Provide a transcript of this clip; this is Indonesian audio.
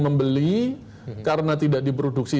membeli karena tidak diproduksi